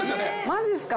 マジっすか。